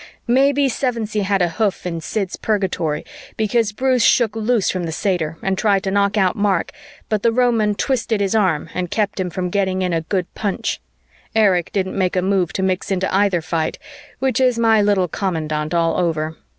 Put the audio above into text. Maybe Sevensee had a hoof in Sid's purgatory, because Bruce shook loose from the satyr and tried to knock out Mark, but the Roman twisted his arm and kept him from getting in a good punch. Erich didn't make a move to mix into either fight, which is my little commandant all over.